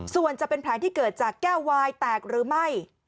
ส่วนจะเป็นแผลที่เกิดจากแก้ววายแตกหรือไม่